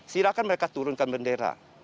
silakan mereka turunkan bendera